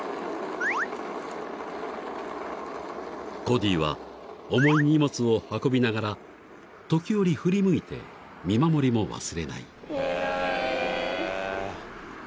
［コディは重い荷物を運びながら時折振り向いて見守りも忘れない］